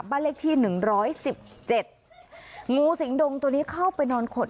บ้านเลขที่หนึ่งร้อยสิบเจ็ดงูสิงดงตัวนี้เข้าไปนอนขด